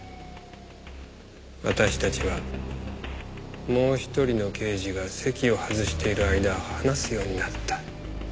私たちはもう１人の刑事が席を外している間話すようになった。